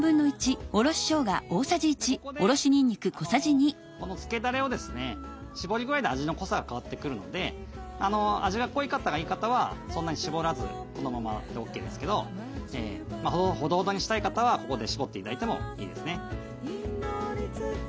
ここでこのつけだれをですねしぼり具合で味の濃さが変わってくるので味が濃い方がいい方はそんなにしぼらずこのままでＯＫですけどほどほどにしたい方はここでしぼって頂いてもいいですね。